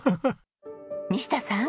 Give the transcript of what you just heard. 西田さん。